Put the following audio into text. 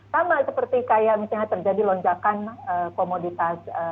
sama seperti kayak misalnya terjadi lonjakan komoditas